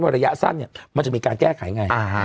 ว่าระยะสั้นเนี่ยมันจะมีการแก้ไขไงอ่าฮะ